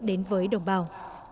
đến với đồng bào